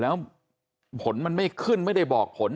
แล้วผลมันไม่ขึ้นไม่ได้บอกผล